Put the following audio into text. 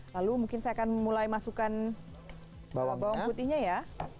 lalu mungkin saya akan mulai masukkan bawang putihnya ya